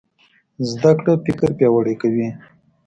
زده کړه فکر پیاوړی کوي.